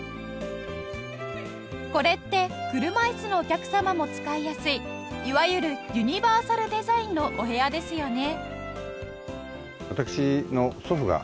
これって車椅子のお客様も使いやすいいわゆるユニバーサルデザインのお部屋ですよね